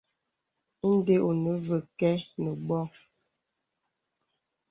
Inde enə və kə̀ nə bô.